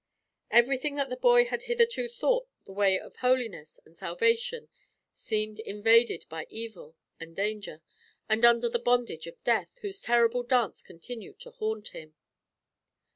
Everything that the boy had hitherto thought the way of holiness and salvation seemed invaded by evil and danger, and under the bondage of death, whose terrible dance continued to haunt him.